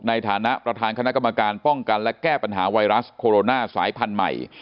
ในฐานะประธานคณะกรรมการป้องกันและแก้ปัญหาไวรัสโคโรนาสายพันธุ์ใหม่